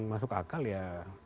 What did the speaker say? masuk akal ya